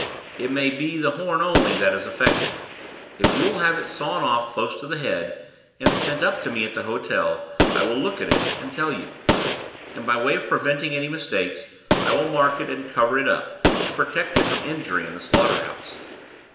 "It may be the horn only that is affected. If you will have it sawn off close to the head, and sent up to me at the hotel, I will look at it and tell you. And, by way of preventing any mistakes, I will mark it and cover it up, to protect it from injury in the slaughter house."